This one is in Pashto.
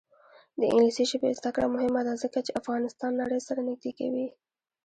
د انګلیسي ژبې زده کړه مهمه ده ځکه چې افغانستان نړۍ سره نږدې کوي.